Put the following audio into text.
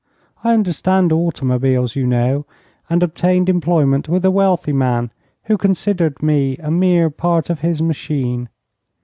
I understand automobiles, you know, and obtained employment with a wealthy man who considered me a mere part of his machine.